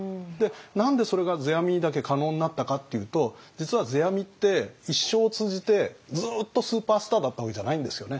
何でそれが世阿弥にだけ可能になったかっていうと実は世阿弥って一生を通じてずっとスーパースターだったわけじゃないんですよね。